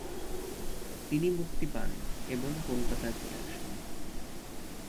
তিনি মুক্তি পান এবং কলকাতায় চলে আসেন।